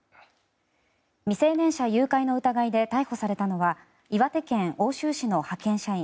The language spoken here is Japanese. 未成年者誘拐の疑いで逮捕されたのは岩手県奥州市の派遣社員